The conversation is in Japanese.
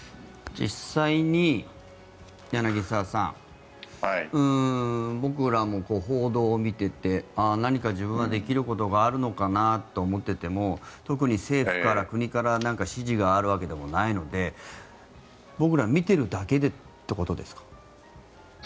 実際に柳澤さん僕らも報道を見ていて何か自分はできることがあるのかなと思っていても特に政府から、国から指示があるわけでもないので僕ら、見ているだけということですか？